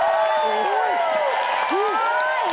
ตอบตอบตอบ